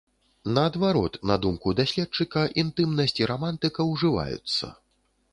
Наадварот, на думку даследчыка, інтымнасць і рамантыка ўжываюцца.